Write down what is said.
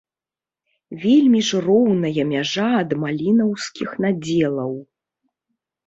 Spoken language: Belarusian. Вельмі ж роўная мяжа ад малінаўскіх надзелаў.